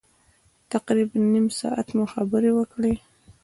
تقریبا نیم ساعت مو خبرې سره وکړې.